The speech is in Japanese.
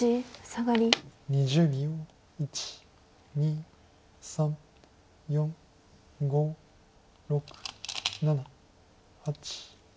１２３４５６７８。